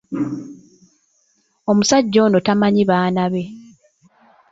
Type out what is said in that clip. Omusajja ono tamanyi baana be.